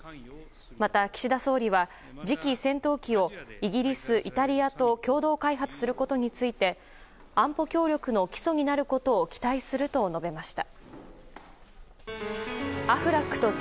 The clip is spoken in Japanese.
また、岸田総理は次期戦闘機をイギリス、イタリアと共同開発することについて安保協力の基礎になることを期待すると述べました。